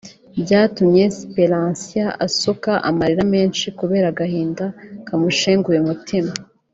byatumye Siperansiya asuka amarira menshi kubera agahinda kamushenguye umutima